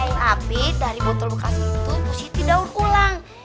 tapi dari botol bekas itu positi daun ulang